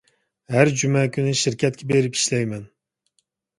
ھەر جۈمە كۈنى شىركەتكە بېرىپ ئىشلەيمەن.